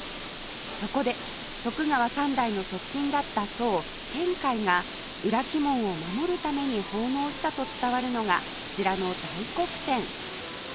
そこで徳川３代の側近だった僧天海が裏鬼門を守るために奉納したと伝わるのがこちらの大黒天